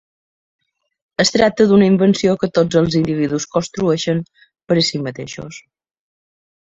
Es tracta d'una invenció que tots els individus construeixen per a si mateixos.